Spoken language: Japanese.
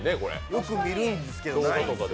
よく見るんですけど。